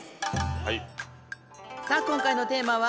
はい。